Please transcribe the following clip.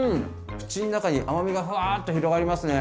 口ん中に甘みがふわっと広がりますね。